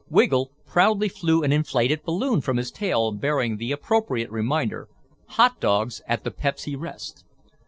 Wiggle proudly flew an inflated balloon from his tail bearing the appropriate reminder HOT DOGS AT THE PEPSY REST.